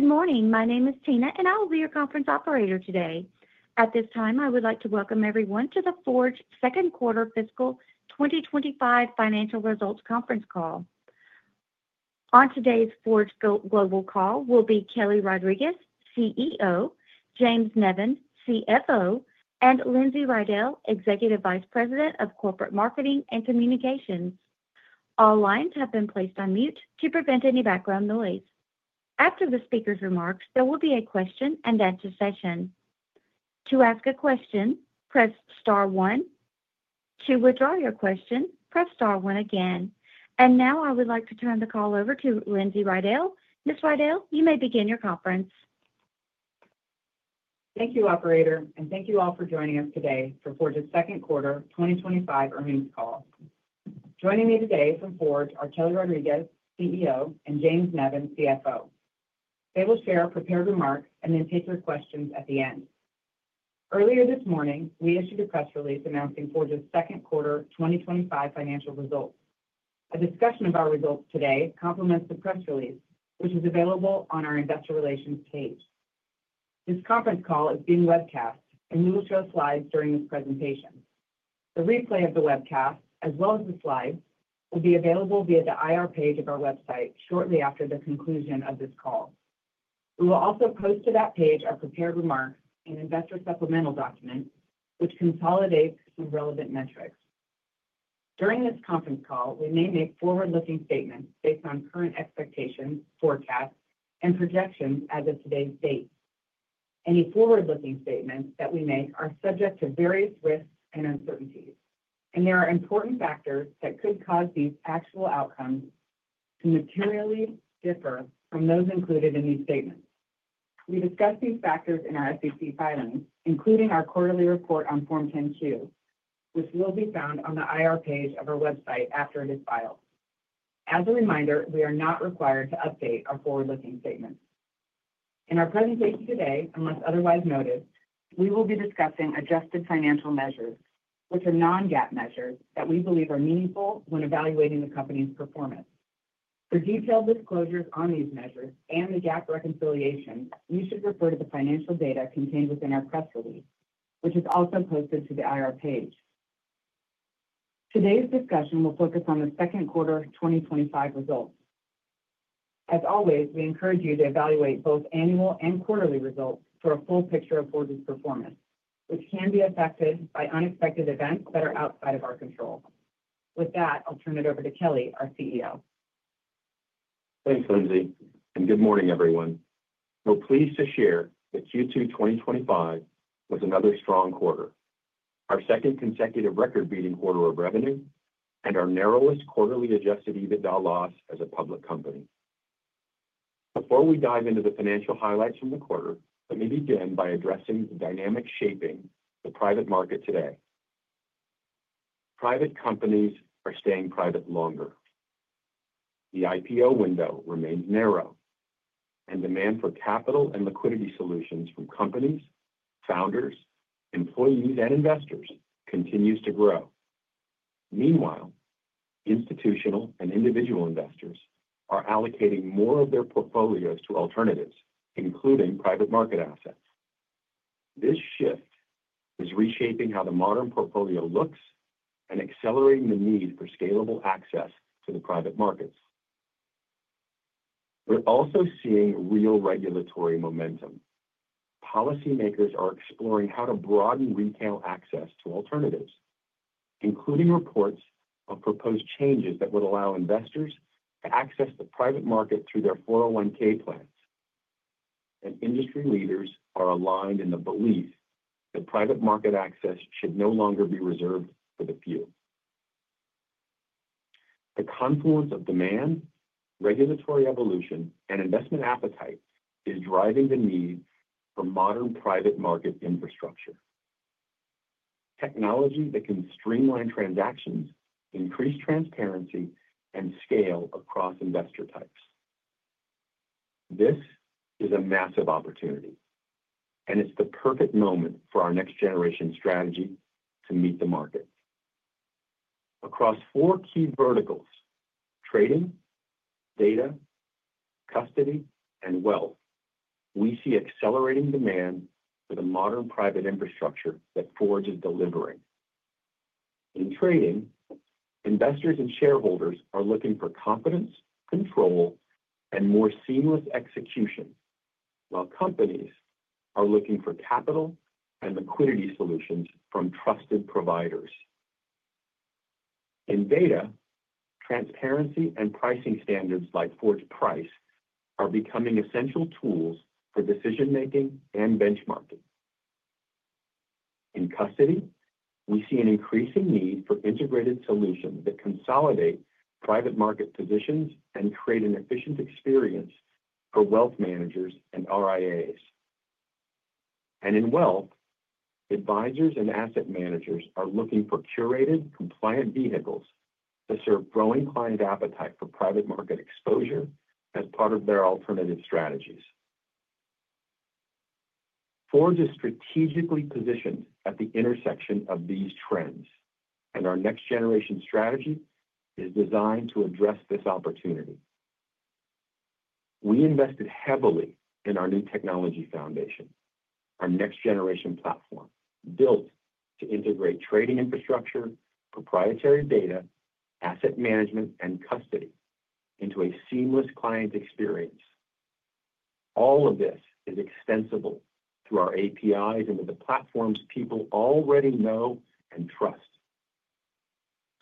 Good morning. My name is Tina, and I will be your conference operator today. At this time, I would like to welcome everyone to the Forge's second quarter fiscal 2025 financial results conference call. On today's Forge Global Holdings call will be Kelly Rodriques, CEO, James Nevin, CFO, and Lindsay Riddell, Executive Vice President of Corporate Marketing and Communications. All lines have been placed on mute to prevent any background noise. After the speaker's remarks, there will be a question and answer session. To ask a question, press star one. To withdraw your question, press star one again. I would like to turn the call over to Lindsay Riddell. Ms. Riddell, you may begin your conference. Thank you, Operator, and thank you all for joining us today for Forge's second quarter 2025 earnings call. Joining me today from Forge are Kelly Rodriques, CEO, and James Nevin, CFO. They will share a prepared remark and then take your questions at the end. Earlier this morning, we issued a press release announcing Forge's second quarter 2025 financial results. A discussion of our results today complements the press release, which is available on our investor relations page. This conference call is being webcast, and you will see slides during this presentation. The replay of the webcast, as well as the slides, will be available via the IR page of our website shortly after the conclusion of this call. We will also post to that page our prepared remarks and investor supplemental documents, which consolidate relevant metrics. During this conference call, we may make forward-looking statements based on current expectations, forecasts, and projections as of today's date. Any forward-looking statements that we make are subject to various risks and uncertainties, and there are important factors that could cause these actual outcomes to materially differ from those included in these statements. We discuss these factors in our SEC filings, including our quarterly report on Form 10-Q, which can be found on the IR page of our website after it is filed. As a reminder, we are not required to update our forward-looking statements. In our presentation today, unless otherwise noted, we will be discussing adjusted financial measures, which are non-GAAP measures that we believe are meaningful when evaluating a company's performance. For detailed disclosures on these measures and the GAAP reconciliation, you should refer to the financial data contained within our press release, which is also posted to the IR page. Today's discussion will focus on the second quarter 2025 results. As always, we encourage you to evaluate both annual and quarterly results for a full picture of Holdings' performance, which can be affected by unexpected events that are outside of our control. With that, I'll turn it over to Kelly, our CEO. Thanks, Lindsay, and good morning, everyone. We're pleased to share that Q2 2025 was another strong quarter, our second consecutive record-beating quarter of revenue and our narrowest quarterly adjusted EBITDA loss as a public company. Before we dive into the financial highlights from the quarter, let me begin by addressing the dynamic shaping of the private market today. Private companies are staying private longer. The IPO window remains narrow, and demand for capital and liquidity solutions from companies, founders, employees, and investors continues to grow. Meanwhile, institutional and individual investors are allocating more of their portfolios to alternatives, including private market assets. This shift is reshaping how the modern portfolio looks and accelerating the need for scalable access to the private markets. We're also seeing real regulatory momentum. Policymakers are exploring how to broaden retail access to alternatives, including reports of proposed changes that would allow investors to access the private market through their 401(k) plans. Industry leaders are aligned in the belief that private market access should no longer be reserved for the few. The confluence of demand, regulatory evolution, and investment appetite is driving the need for modern private market infrastructure, technology that can streamline transactions, increase transparency, and scale across investor types. This is a massive opportunity, and it's the perfect moment for our next-generation strategy to meet the market. Across four key verticals: trading, data, custody, and wealth, we see accelerating demand for the modern private infrastructure that Forge is delivering. In trading, investors and shareholders are looking for confidence, control, and more seamless execution, while companies are looking for capital and liquidity solutions from trusted providers. In data, transparency and pricing standards like Forge Price are becoming essential tools for decision-making and benchmarking. In custody, we see an increasing need for integrated solutions that consolidate private market positions and create an efficient experience for wealth managers and RIAs. In wealth, advisors and asset managers are looking for curated, compliant vehicles to serve growing client appetite for private market exposure as part of their alternative strategies. Forge is strategically positioned at the intersection of these trends, and our next-generation strategy is designed to address this opportunity. We invested heavily in our new technology foundation, our next-generation platform built to integrate trading infrastructure, proprietary data, asset management, and custody into a seamless client experience. All of this is extensible through our APIs into the platforms people already know and trust.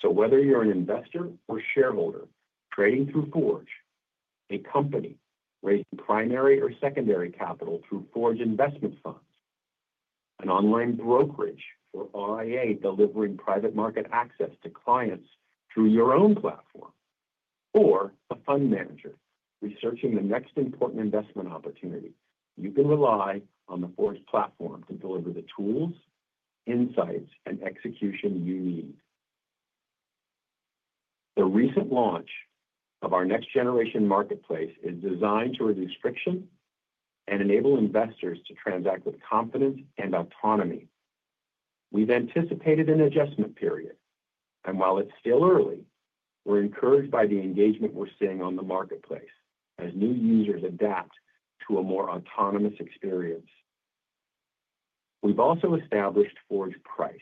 Whether you're an investor or shareholder trading through Forge, a company raising primary or secondary capital through Forge investment funds, an online brokerage or RIA delivering private market access to clients through your own platform, or a fund manager researching the next important investment opportunity, you can rely on the Forge platform to deliver the tools, insights, and execution you need. The recent launch of our next-generation marketplace is designed to reduce friction and enable investors to transact with confidence and autonomy. We've anticipated an adjustment period, and while it's still early, we're encouraged by the engagement we're seeing on the marketplace as new users adapt to a more autonomous experience. We've also established Forge Price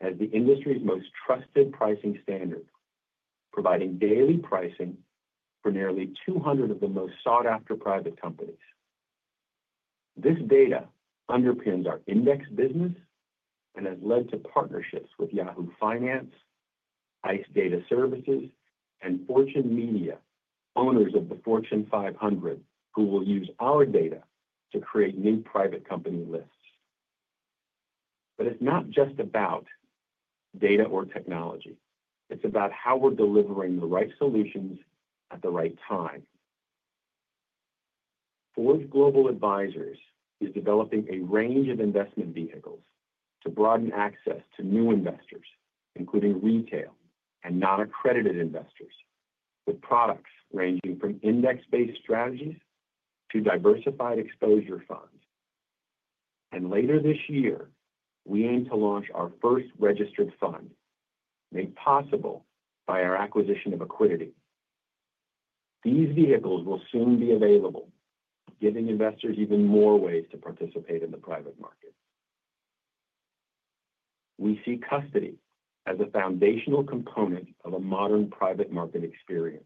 as the industry's most trusted pricing standard, providing daily pricing for nearly 200 of the most sought-after private companies. This data underpins our index business and has led to partnerships with Yahoo Finance, ICE Data Services, and Fortune Media, owners of the Fortune 500, who will use our data to create new private company lists. It's not just about data or technology. It's about how we're delivering the right solutions at the right time. Forge Global Advisors is developing a range of investment vehicles to broaden access to new investors, including retail and non-accredited investors, with products ranging from index-based strategies to diversified exposure funds. Later this year, we aim to launch our first registered fund, made possible by our acquisition of Accuidity. These vehicles will soon be available, giving investors even more ways to participate in the private market. We see custody as a foundational component of a modern private market experience.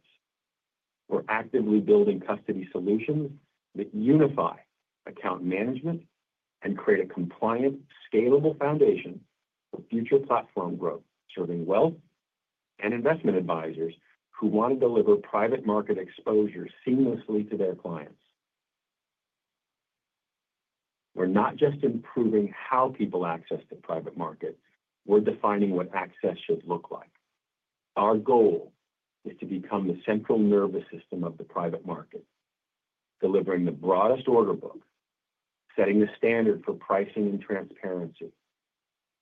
We're actively building custody solutions that unify account management and create a compliant, scalable foundation for future platform growth, serving wealth and investment advisors who want to deliver private market exposure seamlessly to their clients. We're not just improving how people access the private market; we're defining what access should look like. Our goal is to become the central nervous system of the private market, delivering the broadest order book, setting the standard for pricing and transparency,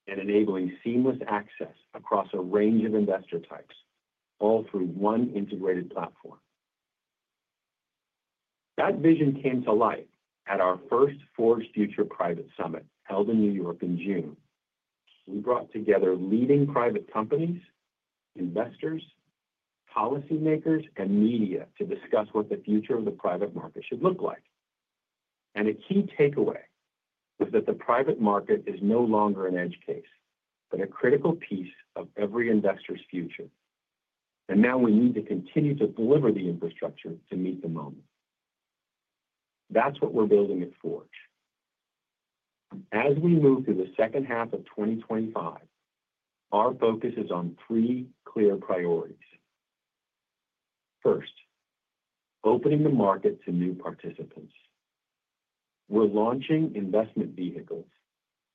and enabling seamless access across a range of investor types, all through one integrated platform. That vision came to life at our first Forge Future Private Summit held in New York in June. We brought together leading private companies, investors, policymakers, and media to discuss what the future of the private market should look like. A key takeaway was that the private market is no longer an edge case, but a critical piece of every investor's future. Now we need to continue to deliver the infrastructure to meet the moment. That's what we're building at Forge. As we move through the second half of 2025, our focus is on three clear priorities. First, opening the market to new participants. We're launching investment vehicles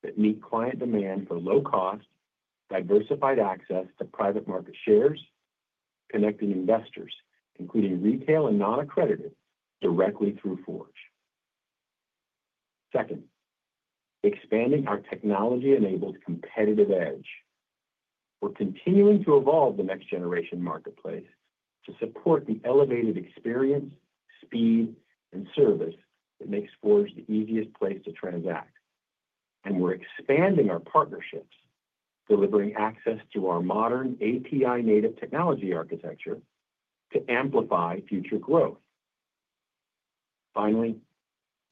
that meet client demand for low cost, diversified access to private market shares, connecting investors, including retail and non-accredited, directly through Forge. Second, expanding our technology-enabled competitive edge. We're continuing to evolve the next-generation marketplace to support the elevated experience, speed, and service that makes Forge the easiest place to transact. We're expanding our partnerships, delivering access to our modern API-native technology architecture to amplify future growth. Finally,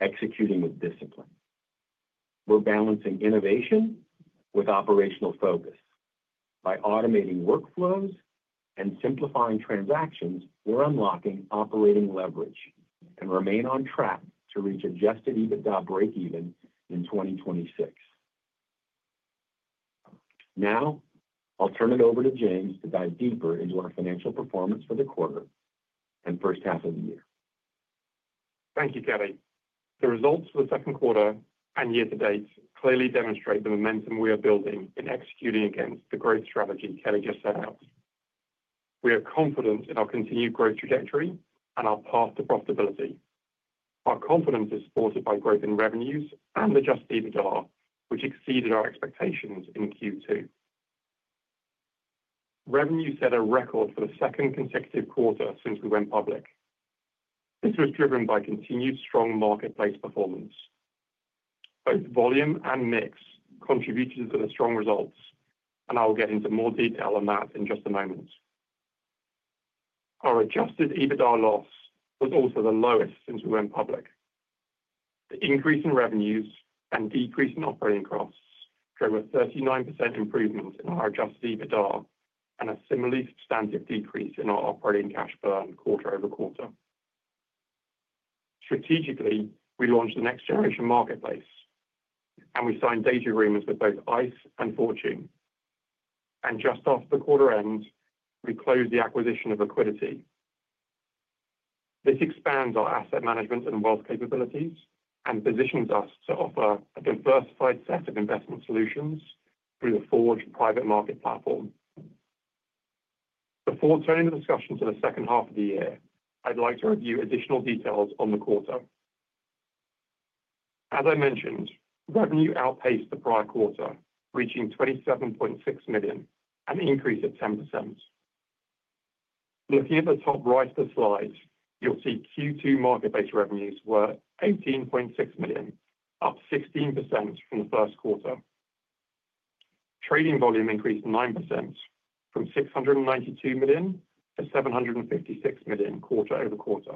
executing with discipline. We're balancing innovation with operational focus. By automating workflows and simplifying transactions, we're unlocking operating leverage and remain on track to reach adjusted EBITDA breakeven in 2026. Now, I'll turn it over to James to dive deeper into our financial performance for the quarter and first half of the year. Thank you, Kelly. The results of the second quarter and year to date clearly demonstrate the momentum we are building in executing against the growth strategy Kelly just set out. We are confident in our continued growth trajectory and our path to profitability. Our confidence is supported by growth in revenues and adjusted EBITDA, which exceeded our expectations in Q2. Revenue set a record for the second consecutive quarter since we went public. This was driven by continued strong marketplace performance. Both volume and mix contributed to the strong results, and I'll get into more detail on that in just a moment. Our adjusted EBITDA loss was also the lowest since we went public. The increase in revenues and decrease in operating costs drove a 39% improvement in our adjusted EBITDA and a similarly substantive decrease in our operating cash burn quarter-over-quarter. Strategically, we launched the next-generation marketplace, and we signed data agreements with both ICE and Fortune. Just after the quarter ends, we closed the acquisition of Accuidity. This expands our asset management and wealth capabilities and positions us to offer a diversified set of investment solutions through the Forge private market platform. Before turning the discussion to the second half of the year, I'd like to review additional details on the quarter. As I mentioned, revenue outpaced the prior quarter, reaching $27.6 million, an increase of 10%. Looking at the top right of the slides, you'll see Q2 marketplace revenues were $18.6 million, up 16% from the first quarter. Trading volume increased 9% from $692 million to $756 million quarter-over-quarter.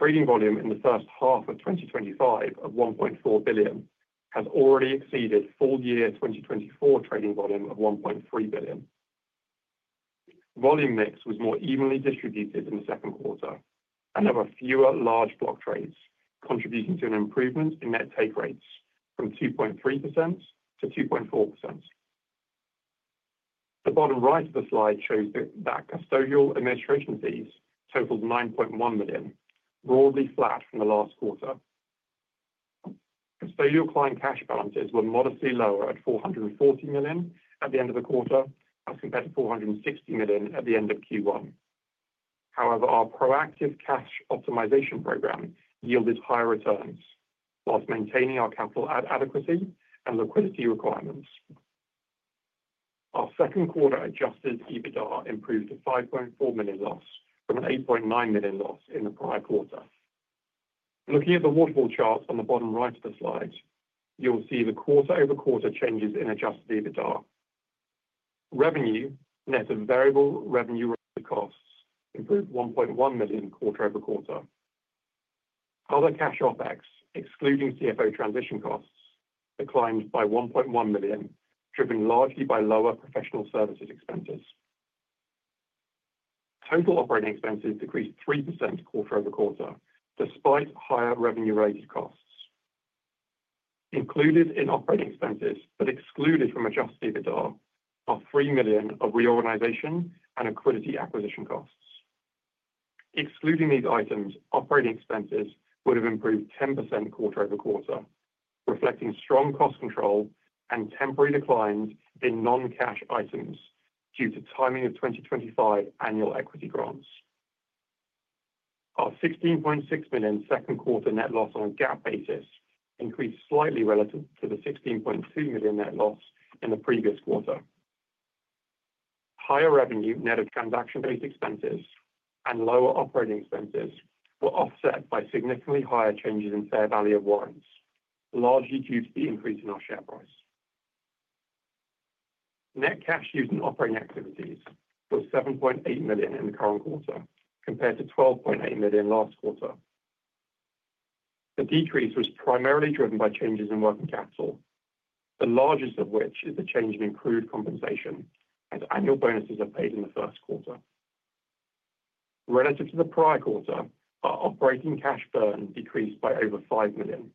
Trading volume in the first half of 2025 of $1.4 billion has already exceeded full-year 2024 trading volume of $1.3 billion. Volume mix was more evenly distributed in the second quarter and there were fewer large block trades, contributing to an improvement in net take rates from 2.3% to 2.4%. The bottom right of the slide shows that custodial administration fees totaled $9.1 million, broadly flat from the last quarter. Custodial client cash balances were modestly lower at $440 million at the end of the quarter, as compared to $460 million at the end of Q1. However, our proactive cash optimization program yielded higher returns whilst maintaining our capital adequacy and liquidity requirements. Our second quarter adjusted EBITDA improved to $5.4 million loss from an $8.9 million loss in the prior quarter. Looking at the waterfall chart on the bottom right of the slide, you'll see the quarter-over-quarter changes in adjusted EBITDA. Revenue net of variable revenue rate costs improved $1.1 million quarter-over-quarter. Other cash OpEx, excluding CFO transition costs, declined by $1.1 million, driven largely by lower professional services expenses. Total operating expenses decreased 3% quarter-over-quarter, despite higher revenue rate costs. Included in operating expenses but excluded from adjusted EBITDA are $3 million of reorganization and equity acquisition costs. Excluding these items, operating expenses would have improved 10% quarter-over-quarter, reflecting strong cost control and temporary declines in non-cash items due to timing of 2025 annual equity grants. Our $16.6 million second quarter net loss on a GAAP basis increased slightly relative to the $16.2 million net loss in the previous quarter. Higher revenue net of transaction-based expenses and lower operating expenses were offset by significantly higher changes in fair value of warrants, largely due to the increase in our share price. Net cash used in operating activities was $7.8 million in the current quarter, compared to $12.8 million last quarter. The decrease was primarily driven by changes in working capital, the largest of which is the change in accrued compensation as annual bonuses are paid in the first quarter. Relative to the prior quarter, our operating cash burn decreased by over $5 million.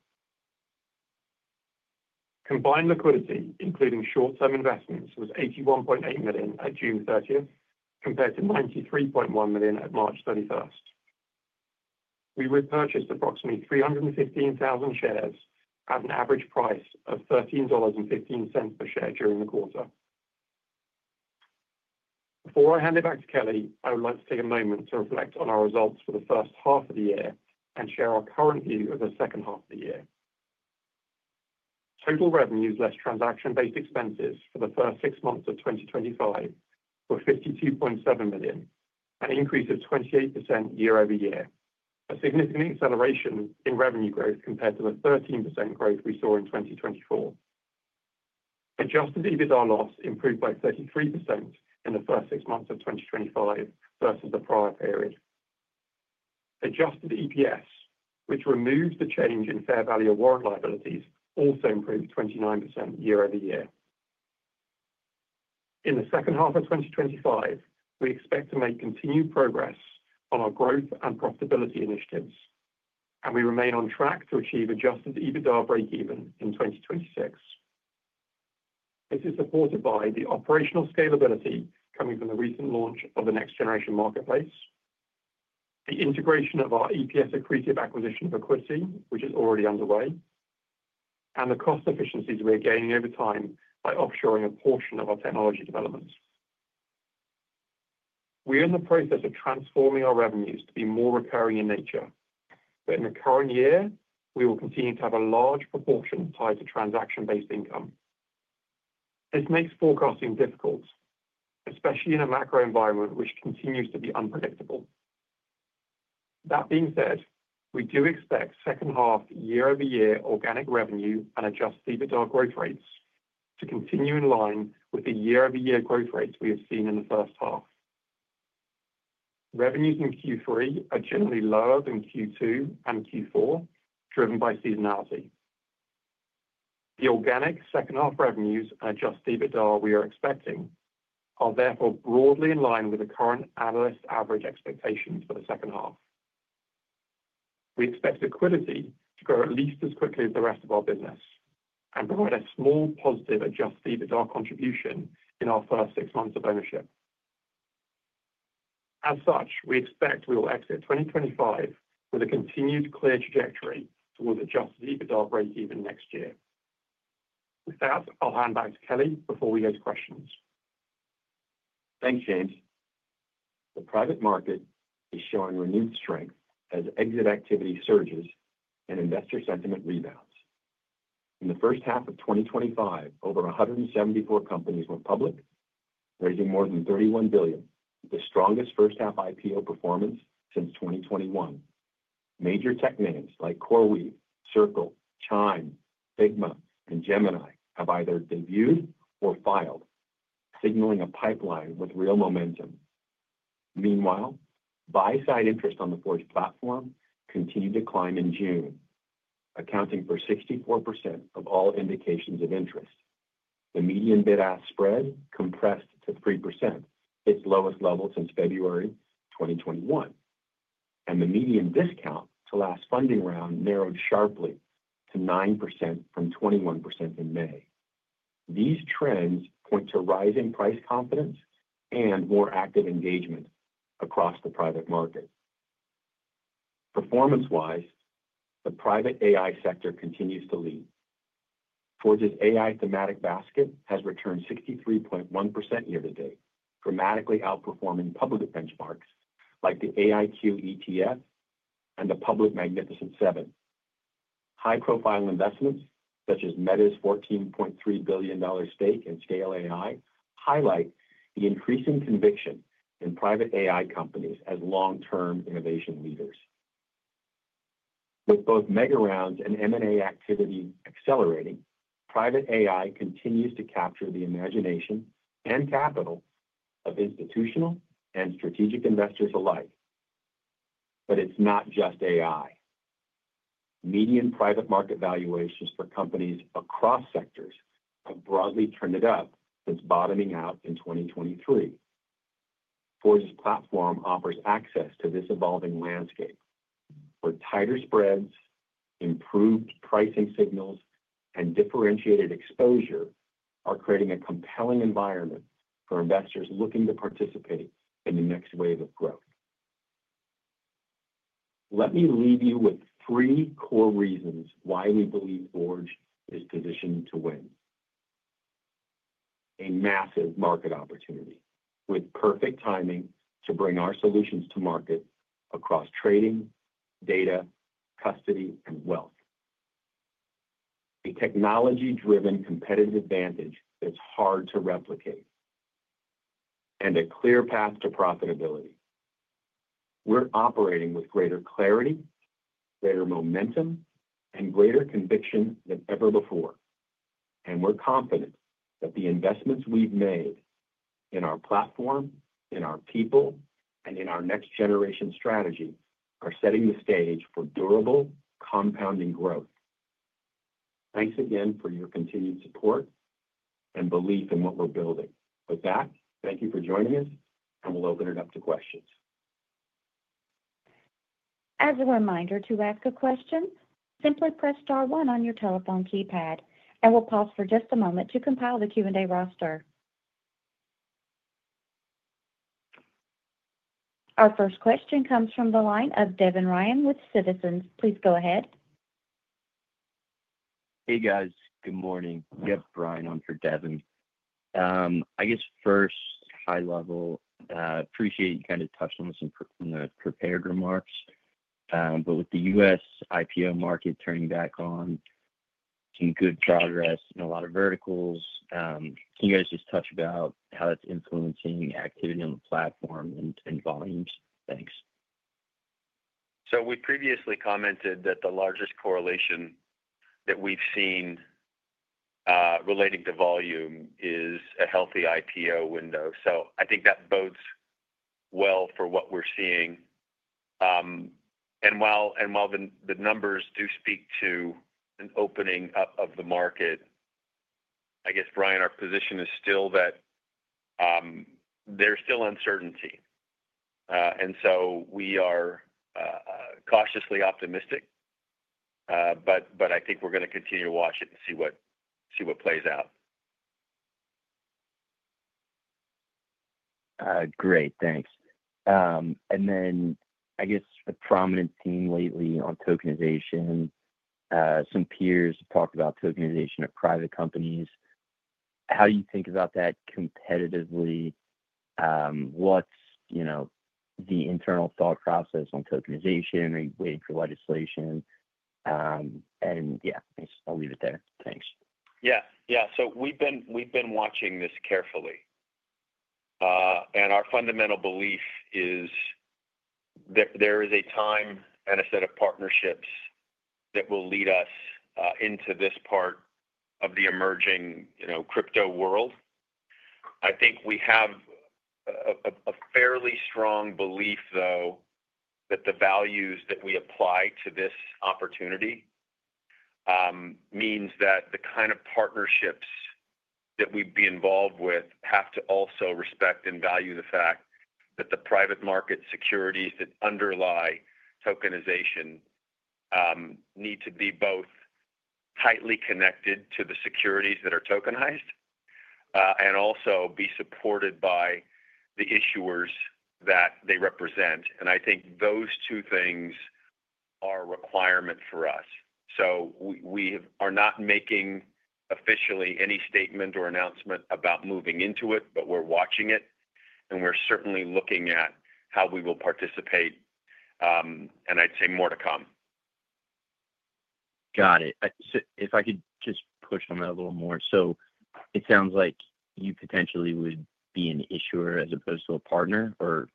Combined liquidity, including short-term investments, was $81.8 million at June 30th, compared to $93.1 million at March 31st. We repurchased approximately 315,000 shares at an average price of $13.15 per share during the quarter. Before I hand it back to Kelly, I would like to take a moment to reflect on our results for the first half of the year and share our current view of the second half of the year. Total revenues less transaction-based expenses for the first six months of 2025 were $52.7 million, an increase of 28% year-over-year, a significant acceleration in revenue growth compared to the 13% growth we saw in 2024. Adjusted EBITDA loss improved by 33% in the first six months of 2025 versus the prior period. Adjusted EPS, which removed the change in fair value of warrant liabilities, also improved 29% year-over-year. In the second half of 2025, we expect to make continued progress on our growth and profitability initiatives, and we remain on track to achieve adjusted EBITDA breakeven in 2026. This is supported by the operational scalability coming from the recent launch of the next-generation marketplace, the integration of our EPS accretive acquisition of Accuidity, which is already underway, and the cost efficiencies we are gaining over time by offshoring a portion of our technology developments. We are in the process of transforming our revenues to be more recurring in nature, but in the current year, we will continue to have a large proportion tied to transaction-based income. This makes forecasting difficult, especially in a macro environment which continues to be unpredictable. That being said, we do expect second half year-over-year organic revenue and adjusted EBITDA growth rates to continue in line with the year-over-year growth rates we have seen in the first half. Revenues in Q3 are generally lower than Q2 and Q4, driven by seasonality. The organic second half revenues and adjusted EBITDA we are expecting are therefore broadly in line with the current analyst average expectations for the second half. We expect Accuidity to grow at least as quickly as the rest of our business and provide a small positive adjusted EBITDA contribution in our first six months of ownership. As such, we expect we will exit 2025 with a continued clear trajectory towards adjusted EBITDA breakeven next year. With that, I'll hand back to Kelly before we go to questions. Thanks, James. The private market is showing renewed strength as exit activity surges and investor sentiment revamps. In the first half of 2025, over 174 companies went public, raising more than $31 billion, the strongest first-half IPO performance since 2021. Major tech names like CoreWeave, Circle, Chime, Figma, and Gemini have either been viewed or filed, signaling a pipeline with real momentum. Meanwhile, buy-side interest on the Forge platform continued to climb in June, accounting for 64% of all indications of interest. The median bid-ask spread compressed to 3%, its lowest level since February 2021, and the median discount to last funding round narrowed sharply to 9% from 21% in May. These trends point to rising price confidence and more active engagement across the private market. Performance-wise, the private AI sector continues to lead. Forge's AI thematic basket has returned 63.1% year-over-date, dramatically outperforming public benchmarks like the AIQ ETF and the Public Magnificent 7. High-profile investments such as Meta's $14.3 billion stake in Scale AI highlight the increasing conviction in private AI companies as long-term innovation leaders. With both mega rounds and M&A activity accelerating, private AI continues to capture the imagination and capital of institutional and strategic investors alike. It is not just AI. Median private market valuations for companies across sectors have broadly trended up since bottoming out in 2023. Forge's platform offers access to this evolving landscape, where tighter spreads, improved pricing signals, and differentiated exposure are creating a compelling environment for investors looking to participate in the next wave of growth. Let me leave you with three core reasons why we believe Forge is positioned to win: a massive market opportunity with perfect timing to bring our solutions to market across trading, data, custody, and wealth; a technology-driven competitive advantage that's hard to replicate; and a clear path to profitability. We're operating with greater clarity, greater momentum, and greater conviction than ever before. We're confident that the investments we've made in our platform, in our people, and in our next-generation strategy are setting the stage for durable, compounding growth. Thanks again for your continued support and belief in what we're building. With that, thank you for joining us, and we'll open it up to questions. As a reminder to ask a question, simply press star one on your telephone keypad. We'll pause for just a moment to compile the Q&A roster. Our first question comes from the line of Devin Ryan with Citizens. Please go ahead. Hey, guys. Good morning. Yep, Brian, I'm for Devin. I guess first, high level, appreciate you kind of touched on some of the prepared remarks. With the U.S. IPO market turning back on, some good progress in a lot of verticals. Can you guys just touch about how that's influencing activity on the platform and volumes? Thanks. We previously commented that the largest correlation that we've seen relating to volume is a healthy IPO window. I think that bodes well for what we're seeing, and while the numbers do speak to an opening up of the market, I guess, Brian, our position is still that there's still uncertainty. We are cautiously optimistic, but I think we're going to continue to watch it and see what plays out. Great. Thanks. I guess a prominent theme lately on tokenization. Some peers talk about tokenization of private companies. How do you think about that competitively? What's, you know, the internal thought process on tokenization and waiting for legislation? Yeah, I'll leave it there. Thanks. Yeah. We've been watching this carefully, and our fundamental belief is that there is a time and a set of partnerships that will lead us into this part of the emerging crypto world. I think we have a fairly strong belief, though, that the values that we apply to this opportunity mean that the kind of partnerships that we'd be involved with have to also respect and value the fact that the private market securities that underlie tokenization need to be both tightly connected to the securities that are tokenized and also be supported by the issuers that they represent. I think those two things are a requirement for us. We are not making officially any statement or announcement about moving into it, but we're watching it, and we're certainly looking at how we will participate. I'd say more to come. Got it. If I could just push on that a little more, it sounds like you potentially would be an issuer as opposed to a partner, or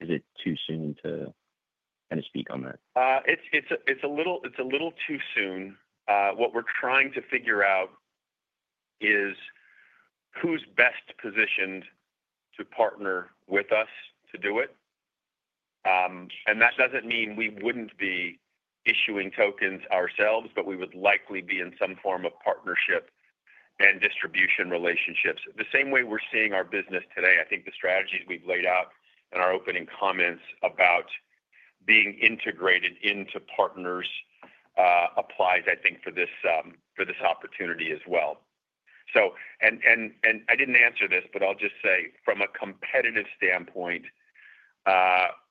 is it too soon to kind of speak on that? It's a little too soon. What we're trying to figure out is who's best positioned to partner with us to do it. That doesn't mean we wouldn't be issuing tokens ourselves, but we would likely be in some form of partnership and distribution relationships. The same way we're seeing our business today, I think the strategies we've laid out in our opening comments about being integrated into partners applies, I think, for this opportunity as well. I didn't answer this, but I'll just say from a competitive standpoint,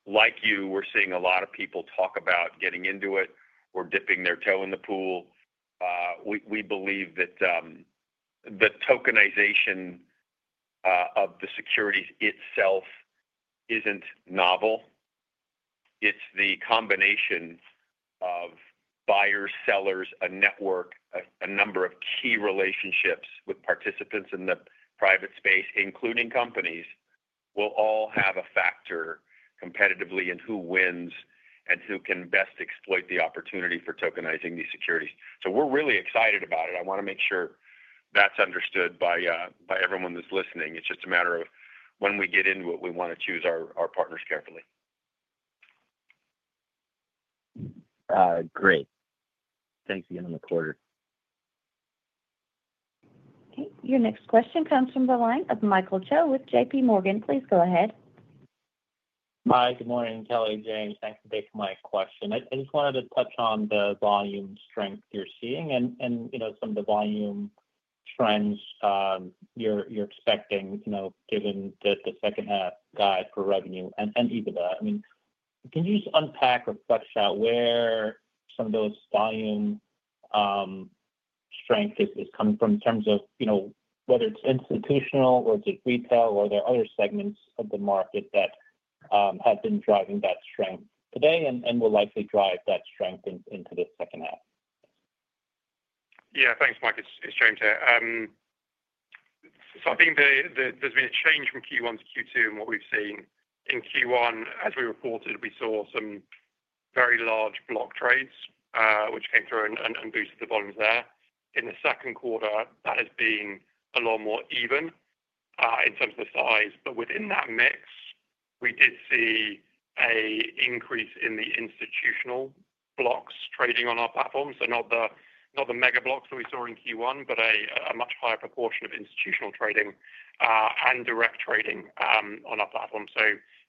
like you, we're seeing a lot of people talk about getting into it or dipping their toe in the pool. We believe that the tokenization of the securities itself isn't novel. It's the combination of buyers, sellers, a network, a number of key relationships with participants in the private space, including companies, that will all have a factor competitively in who wins and who can best exploit the opportunity for tokenizing these securities. We're really excited about it. I want to make sure that's understood by everyone that's listening. It's just a matter of when we get into it, we want to choose our partners carefully. Great, thanks again on the quarter. Okay. Your next question comes from the line of Michael Cho with JPMorgan. Please go ahead. Hi. Good morning, Kelly, James. Thanks for taking my question. I just wanted to touch on the volume strength you're seeing and some of the volume trends you're expecting, given that the second half guide for revenue and EBITDA. Can you just unpack or flesh out where some of that volume strength is coming from in terms of whether it's institutional or just retail, or are there other segments of the market that have been driving that strength today and will likely drive that strength into this second half? Yeah. Thanks, Mike. It's James here. I think there's been a change from Q1 to Q2 in what we've seen. In Q1, as we reported, we saw some very large block trades, which came through and boosted the volumes there. In the second quarter, that has been a lot more even in terms of the size. Within that mix, we did see an increase in the institutional blocks trading on our platform. Not the mega blocks that we saw in Q1, but a much higher proportion of institutional trading and direct trading on our platform.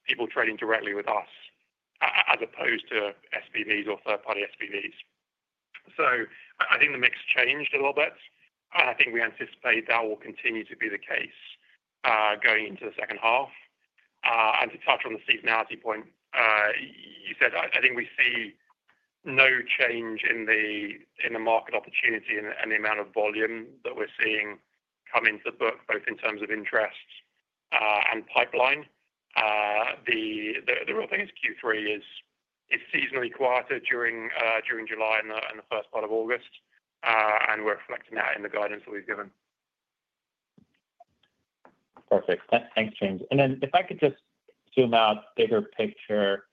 People trading directly with us, as opposed to SMEs or third-party SMEs. I think the mix changed a little bit. I think we anticipate that will continue to be the case, going into the second half. To touch on the seasonality point you said, I think we see no change in the market opportunity and the amount of volume that we're seeing come into the book, both in terms of interest and pipeline. The real thing is Q3 is seasonally quieter during July and the first part of August, and we're reflecting that in the guidance that we've given. Perfect. Thanks, James. If I could just zoom out, bigger picture,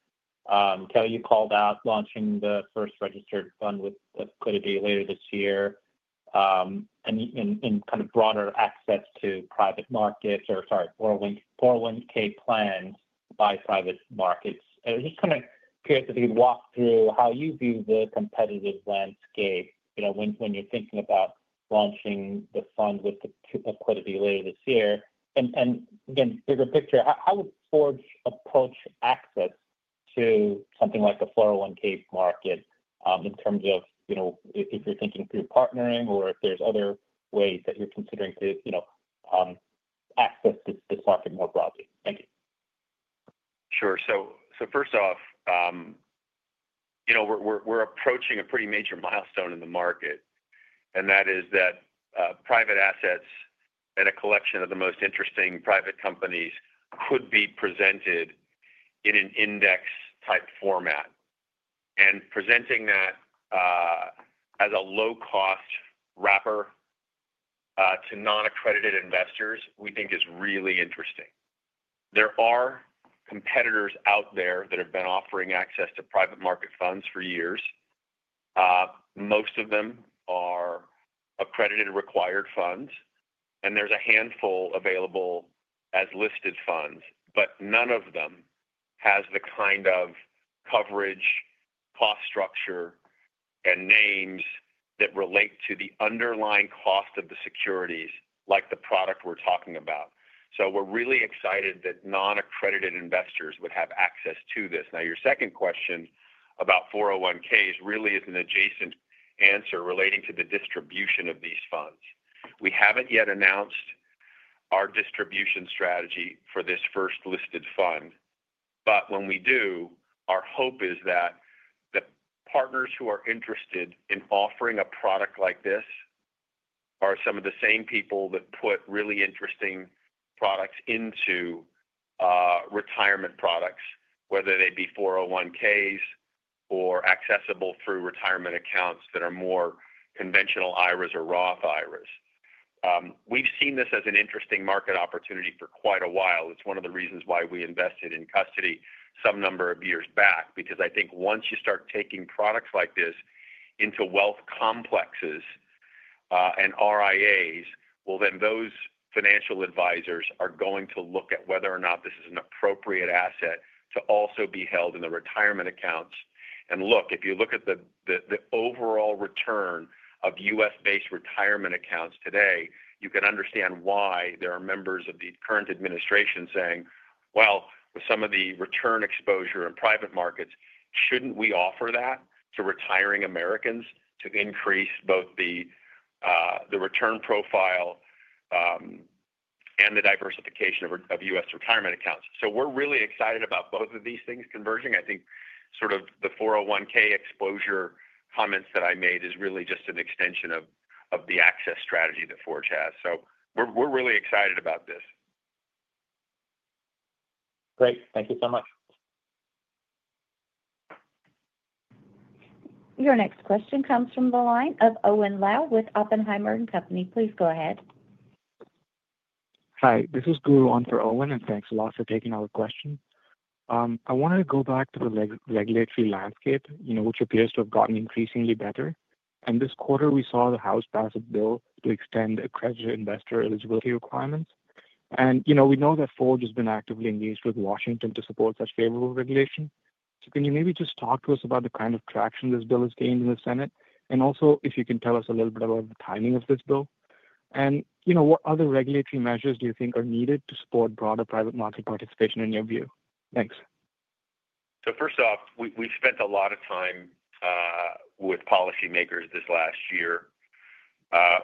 Kelly, you called out launching the first registered fund with Accuidity later this year, and in kind of broader access to private markets or, sorry, 401(k) plans by private markets. I was just kind of curious if you could walk through how you view the competitive landscape, you know, when you're thinking about launching the fund with Accuidity later this year. Again, bigger picture, how would Forge approach access to something like the 401(k) market, in terms of, you know, if you're thinking through partnering or if there's other ways that you're considering to, you know, access this market more broadly? Thank you. Sure. First off, we're approaching a pretty major milestone in the market, and that is that private assets and a collection of the most interesting private companies could be presented in an index-type format. Presenting that as a low-cost wrapper to non-accredited investors, we think is really interesting. There are competitors out there that have been offering access to private market funds for years. Most of them are accredited and required funds, and there's a handful available as listed funds, but none of them has the kind of coverage, cost structure, and names that relate to the underlying cost of the securities like the product we're talking about. We're really excited that non-accredited investors would have access to this. Now, your second question about 401(k)s really is an adjacent answer relating to the distribution of these funds. We haven't yet announced our distribution strategy for this first listed fund, but when we do, our hope is that the partners who are interested in offering a product like this are some of the same people that put really interesting products into retirement products, whether they be 401(k)s or accessible through retirement accounts that are more conventional IRAs or Roth IRAs. We've seen this as an interesting market opportunity for quite a while. It's one of the reasons why we invested in custody some number of years back because I think once you start taking products like this into wealth complexes and RIAs, those financial advisors are going to look at whether or not this is an appropriate asset to also be held in the retirement accounts. If you look at the overall return of U.S.-based retirement accounts today, you can understand why there are members of the current administration saying, "With some of the return exposure in private markets, shouldn't we offer that to retiring Americans to increase both the return profile and the diversification of U.S. retirement accounts?" We're really excited about both of these things converging. I think the 401(k) exposure comments that I made are really just an extension of the access strategy that Forge has. We're really excited about this. Great. Thank you so much. Your next question comes from the line of Owen Lau with Oppenheimer & Co. Please go ahead. Hi. This is Guru on for Owen, and thanks a lot for taking our question. I wanted to go back to the regulatory landscape, you know, which appears to have gotten increasingly better. This quarter, we saw the House pass a bill to extend accredited investor eligibility requirements. We know that Forge has been actively engaged with Washington to support such favorable regulation. Can you maybe just talk to us about the kind of traction this bill has gained in the Senate? Also, if you can tell us a little bit about the timing of this bill. What other regulatory measures do you think are needed to support broader private market participation in your view? Thanks. First off, we've spent a lot of time with policymakers this last year.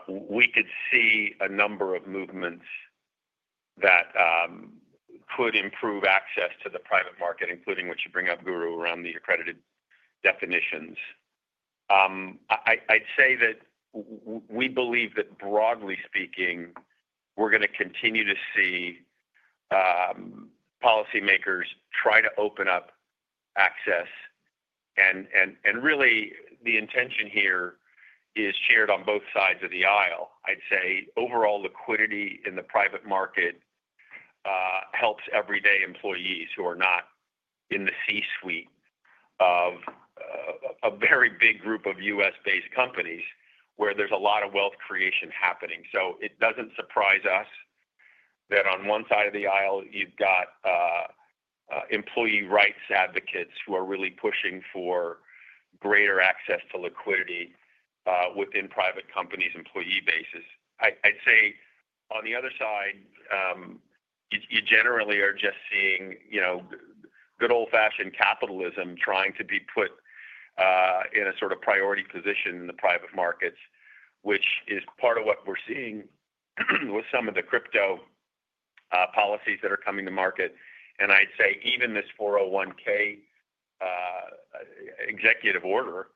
We could see a number of movements that could improve access to the private market, including what you bring up, Guru, around the accredited definitions. I'd say that we believe that, broadly speaking, we're going to continue to see policymakers try to open up access. The intention here is shared on both sides of the aisle. I'd say overall liquidity in the private market helps everyday employees who are not in the C-suite of a very big group of U.S.-based companies where there's a lot of wealth creation happening. It doesn't surprise us that on one side of the aisle, you've got employee rights advocates who are really pushing for greater access to liquidity within private companies' employee bases. On the other side, you generally are just seeing good old-fashioned capitalism trying to be put in a sort of priority position in the private markets, which is part of what we're seeing with some of the crypto policies that are coming to market. I'd say even this 401(k) executive order,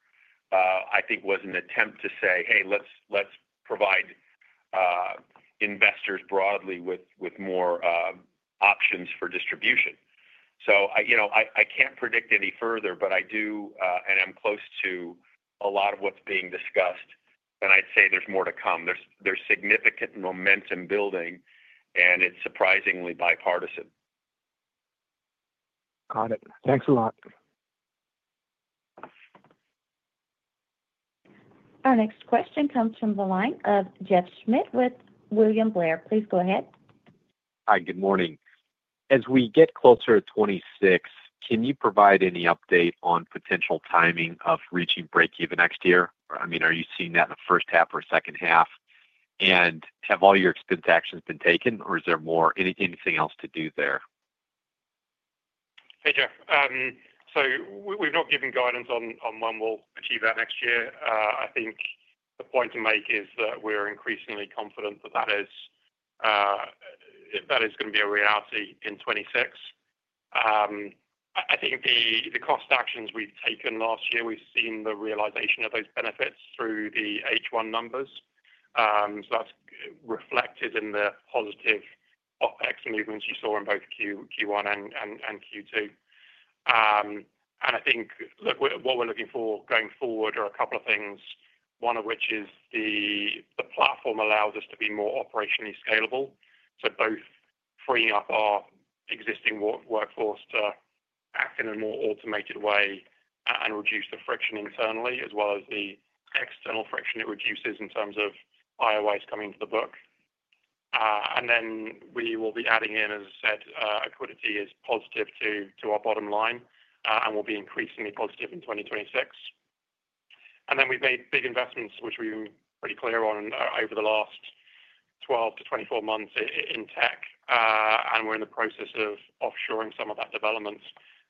I think, was an attempt to say, "Hey, let's provide investors broadly with more options for distribution." I can't predict any further, but I am close to a lot of what's being discussed. I'd say there's more to come. There's significant momentum building, and it's surprisingly bipartisan. Got it. Thanks a lot. Our next question comes from the line of Jeff Schmitt with William Blair. Please go ahead. Hi. Good morning. As we get closer to 2026, can you provide any update on potential timing of reaching breakeven next year? I mean, are you seeing that in the first half or second half? Have all your expense actions been taken, or is there anything else to do there? Hey, Jeff. We've not given guidance on when we'll achieve that next year. I think the point to make is that we're increasingly confident that is going to be a reality in 2026. The cost actions we've taken last year, we've seen the realization of those benefits through the H1 numbers. That's reflected in the positive OpEx movements you saw in both Q1 and Q2. What we're looking for going forward are a couple of things, one of which is the platform allows us to be more operationally scalable, both freeing up our existing workforce to act in a more automated way and reduce the friction internally, as well as the external friction it reduces in terms of IOIs coming to the book. We will be adding in, as I said, Accuidity is positive to our bottom line, and will be increasingly positive in 2026. We've made big investments, which we've been pretty clear on over the last 12 months-24 months in tech. We're in the process of offshoring some of that development,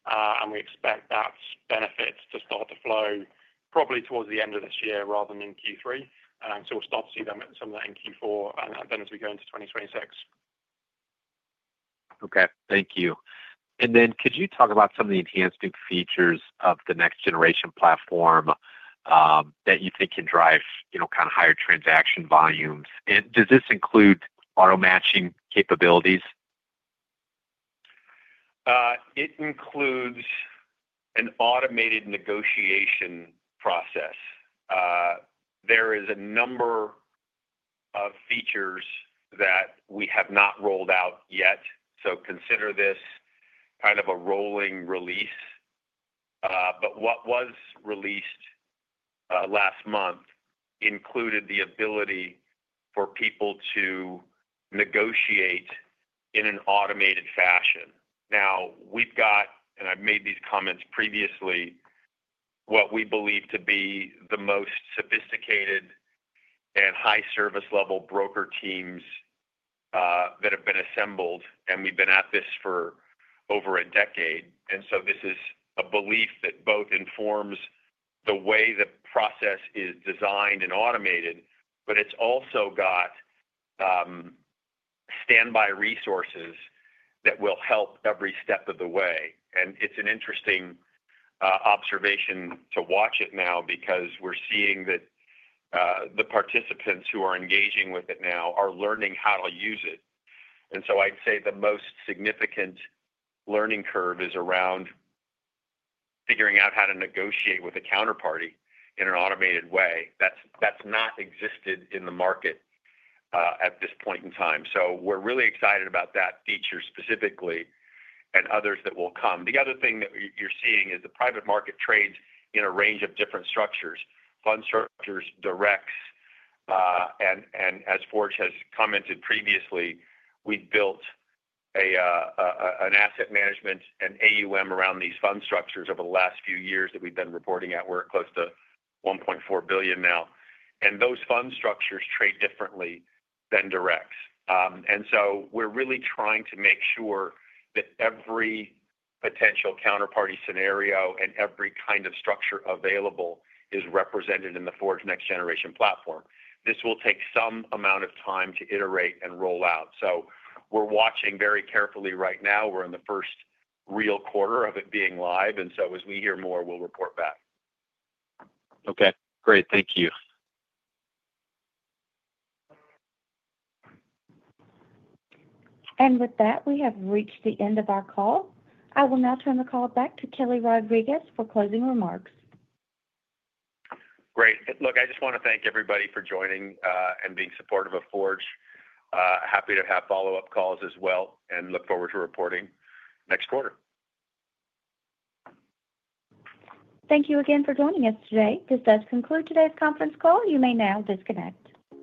and we expect that benefit to start to flow probably towards the end of this year rather than in Q3. I'm still starting to see some of that in Q4 and then as we go into 2026. Thank you. Could you talk about some of the enhancing features of the Next Generation platform that you think can drive higher transaction volumes? Does this include auto-matching capabilities? It includes an automated negotiation process. There are a number of features that we have not rolled out yet. Consider this kind of a rolling release. What was released last month included the ability for people to negotiate in an automated fashion. Now, we've got, and I've made these comments previously, what we believe to be the most sophisticated and high-service level broker teams that have been assembled. We've been at this for over a decade. This is a belief that both informs the way the process is designed and automated, but it's also got standby resources that will help every step of the way. It's an interesting observation to watch it now because we're seeing that the participants who are engaging with it now are learning how to use it. I'd say the most significant learning curve is around figuring out how to negotiate with a counterparty in an automated way. That's not existed in the market at this point in time. We're really excited about that feature specifically and others that will come. The other thing that you're seeing is the private market trades in a range of different structures: fund structures, directs. As Forge has commented previously, we've built an asset management and AUM around these fund structures over the last few years that we've been reporting at. We're close to $1.4 billion now. Those fund structures trade differently than directs. We're really trying to make sure that every potential counterparty scenario and every kind of structure available is represented in the Forge Next Generation platform. This will take some amount of time to iterate and roll out. We're watching very carefully right now. We're in the first real quarter of it being live. As we hear more, we'll report back. Okay. Great. Thank you. With that, we have reached the end of our call. I will now turn the call back to Kelly Rodriques for closing remarks. Great. I just want to thank everybody for joining and being supportive of Forge. Happy to have follow-up calls as well and look forward to reporting next quarter. Thank you again for joining us today. This does conclude today's conference call. You may now disconnect.